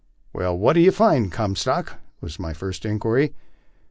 Well, what do you find, Comstock? " was my first inquiry.